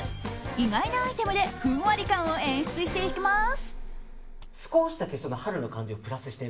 意外なアイテムでふんわり感を演出していきます。